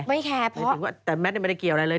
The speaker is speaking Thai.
แมทไม่ได้เกี่ยวอะไรเลย